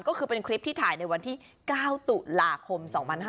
ก็คือเป็นคลิปที่ถ่ายในวันที่๙ตุลาคม๒๕๕๙